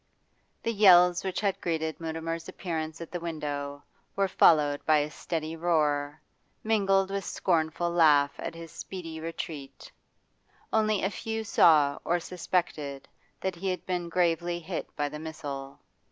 The yells which had greeted Mutimer's appearance at the window were followed by a steady roar, mingled with scornful laughter at his speedy retreat; only a few saw or suspected that he had been gravely hit by the missile.